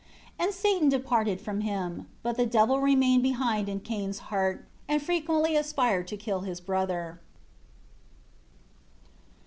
12 And Satan departed from him. But the devil remained behind in Cain's heart, and frequently aspired to kill his brother.